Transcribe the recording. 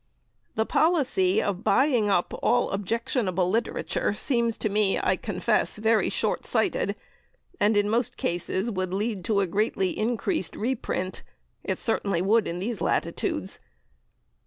The policy of buying up all objectionable literature seems to me, I confess, very short sighted, and in most cases would lead to a greatly increased reprint; it certainly would in these latitudes.